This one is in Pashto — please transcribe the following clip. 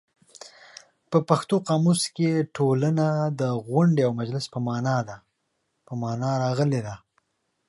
په پښتو قاموس کې ټولنه د غونډې او مجلس په مانا راغلې ده.